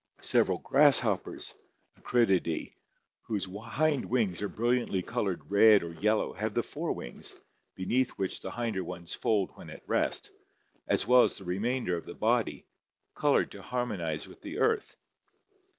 Several grasshoppers (Acrididae) whose hind wings are brilliantly colored red or yellow have the fore wings, beneath which the hinder ones fold when at rest, as well as the remainder of the body, colored to harmonize with the earth.